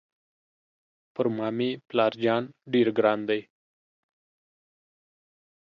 پر ما مې پلار جان ډېر ګران دی.